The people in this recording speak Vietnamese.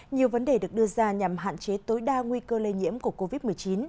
nhiều vấn đề được đưa ra nhằm hạn chế tối đa nguy cơ lây nhiễm của covid một mươi chín